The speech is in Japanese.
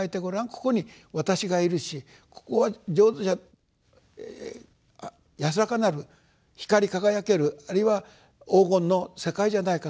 ここに私がいるしここは安らかなる光り輝けるあるいは黄金の世界じゃないか。